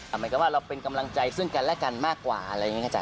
เหมือนกับว่าเราเป็นกำลังใจซึ่งกันและกันมากกว่าอะไรอย่างนี้ค่ะอาจา